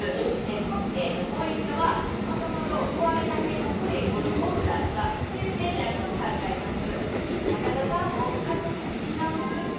本件のポイントはもともと壊れかけの古いオルゴールだったという点にあると考えます。